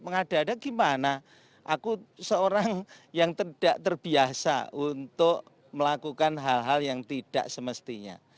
mengada ada gimana aku seorang yang tidak terbiasa untuk melakukan hal hal yang tidak semestinya